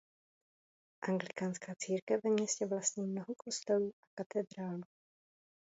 Anglikánská církev ve městě vlastní mnoho kostelů a katedrálu.